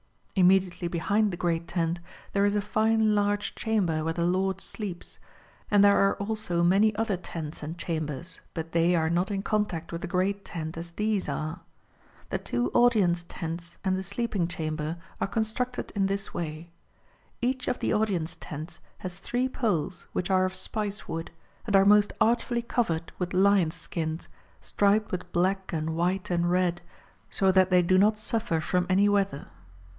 Lnmediately ])ehind the great tent there is a fine CiiAr. XX. now THE EMPEROR GOES HUNTING 405 large chamber where the Lord sleeps ; and there are also many other tents and chambers, but they are not in con tact with the Great Tent as these are. The two audience tents and the sleeping chamber are constructed in this way. Each of the audience tents has three poles, which are of spice wood, and are most artfully covered with lions' skins, striped with black and white and red, so that they do not suffer from any weather.